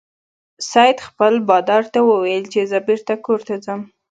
سید خپل بادار ته وویل چې زه بیرته کور ته ځم.